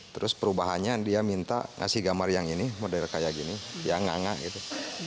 terus perubahannya dia minta ngasih gambar yang ini model kayak gini yang ngangah gitu